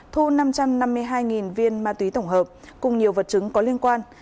thu năm trăm năm mươi hai viên ma túy tổng hợp cùng nhiều vật chứng có liên quan